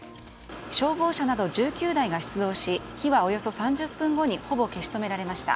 消防車など１９台が出動し火はおよそ３０分後にほぼ消し止められました。